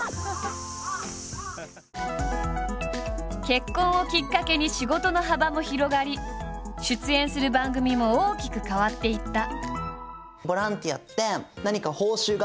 結婚をきっかけに仕事の幅も広がり出演する番組も大きく変わっていった。